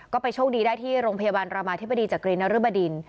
ก็ไปโชคดีได้ที่โรงพยาบาลรามาธิบดีจากกรีนรบดิน